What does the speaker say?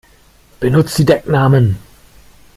Benutzt die Decknamen!